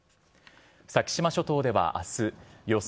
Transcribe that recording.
先島諸島ではあす、予想